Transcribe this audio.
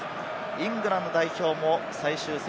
イングランド代表も最終戦